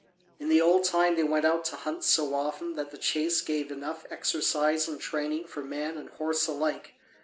In the old time they went out to hunt so often that the chase gave enough exercise and training for man and horse alike.